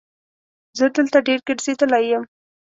زه دلته ډېر ګرځېدلی یم.